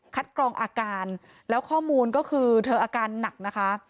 กรองอาการแล้วข้อมูลก็คือเธออาการหนักนะคะ